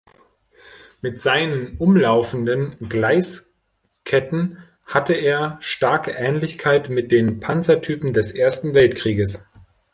Mit seinen umlaufenden Gleisketten hatte er starke Ähnlichkeit mit den Panzertypen des Ersten Weltkrieges.